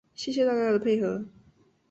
谢谢大家的配合